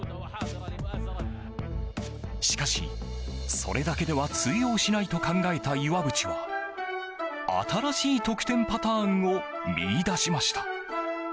しかし、それだけでは通用しないと考えた岩渕は新しい得点パターンを見出しました。